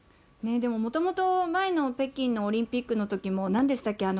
でも、もともと前の北京のオリンピックのときも、なんでしたっけ？